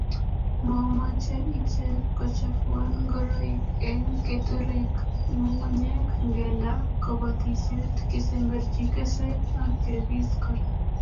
Momoche ichek kochafuan ngoroik eng keturek, ngungunyek, ngenda, kobotisiet, kesemberchi keswek ak kebis kora